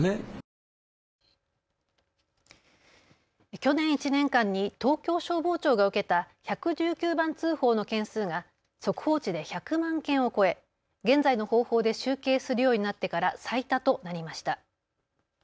去年１年間に東京消防庁が受けた１１９番通報の件数が速報値で１００万件を超え、現在の方法で集計するようになってから最多となりました。